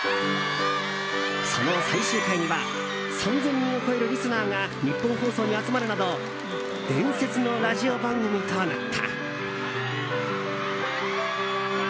その最終回には３０００人を超えるリスナーがニッポン放送に集まるなど伝説のラジオ番組となった。